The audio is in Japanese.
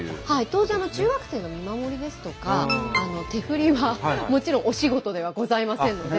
当然中学生の見守りですとか手振りはもちろんお仕事ではございませんので。